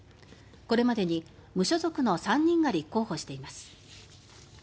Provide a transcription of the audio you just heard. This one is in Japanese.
これまでに無所属の３人が立候補しています。